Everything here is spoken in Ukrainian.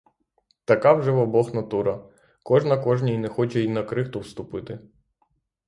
Така вже в обох натура: кожна кожній не хоче й на крихту вступити.